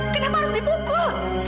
kenapa harus dipukul